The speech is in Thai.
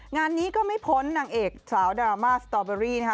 งานนี้ก็ไม่พ้นนางเอกสาวดราม่าสตอเบอรี่นะคะ